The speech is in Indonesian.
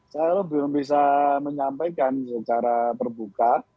saya belum bisa menyampaikan secara terbuka